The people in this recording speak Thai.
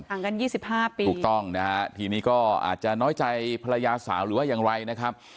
ห่างกัน๒๕ปีตรงนั้นที่นี่ก็อาจจะน้อยใจภรรยาสาวหรือว่ายังไง